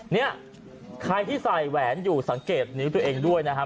เนี่ยใครที่ใส่แหวนอยู่สังเกตนิ้วตัวเองด้วยนะครับ